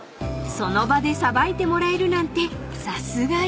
［その場でさばいてもらえるなんてさすが市場］